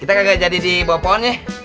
kita gak jadi di bawah pohon ya